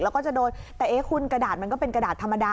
แล้วก็จะโดนแต่เอ๊ะคุณกระดาษมันก็เป็นกระดาษธรรมดา